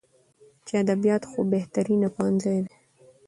چې ادبيات خو بهترينه پوهنځۍ ده.